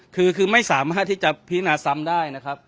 คือไม่สามารถที่จะพินาซ้ำได้